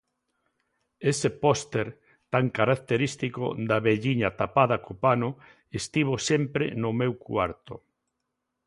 Ese póster tan característico da velliña tapada co pano estivo sempre no meu cuarto.